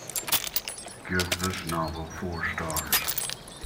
Give this novel four stars